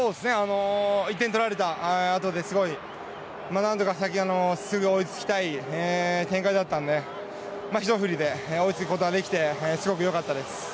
１点取られたあとですぐ追いつきたい展開だったのでひと振りで追いつくことができてすごくよかったです。